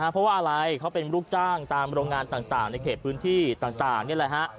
เพราะว่าอะไรเขาเป็นลูกจ้างตามโรงงานต่างในเขตพื้นที่ต่างนี่แหละฮะ